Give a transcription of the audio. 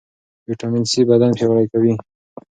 ویټامین سي بدن پیاوړی کوي.